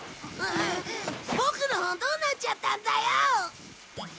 ボクの本どうなっちゃったんだよ！？